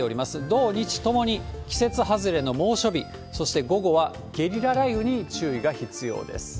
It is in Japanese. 土、日ともに季節外れの猛暑日、そして午後は、ゲリラ雷雨に注意が必要です。